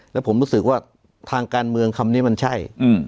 แล้วผมรู้สึกว่าทางการเมืองคำนี้มันใช่